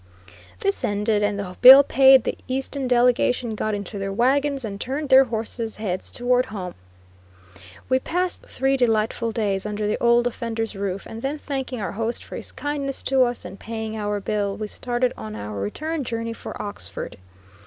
This ended, and the bill paid, the Easton delegation got into their wagons and turned their horses heads towards home. We passed three delightful days under the Old Offender's roof, and then thanking our host for his kindness to us, and paying our bill, we started on our return journey for Oxford.